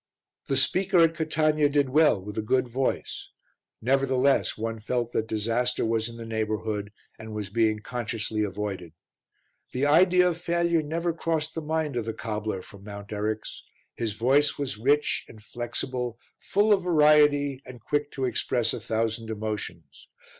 The speaker at Catania did well with a good voice; nevertheless one felt that disaster was in the neighbourhood and was being consciously avoided. The idea of failure never crossed the mind of the cobbler from Mount Eryx. His voice was rich and flexible, full of variety and quick to express a thousand emotions.